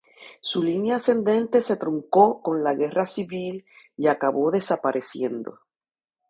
Su línea ascendente se truncó con la Guerra Civil, y acabó desapareciendo.